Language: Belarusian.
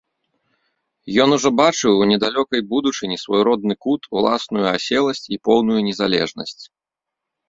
Ён ужо бачыў у недалёкай будучыні свой родны кут, уласную аселасць і поўную незалежнасць.